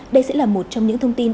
đây sẽ là một trong những thông tin